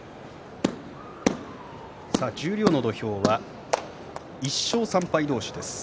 十両の土俵は１勝３敗同士です。